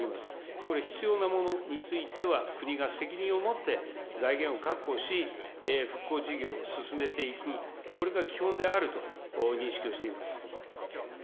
これ、必要なものについては、国が責任を持って財源を確保し、復興事業を進めていく、これが基本であると認識をしています。